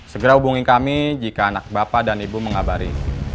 segera hubungi kami jika anak bapak dan ibu mengabari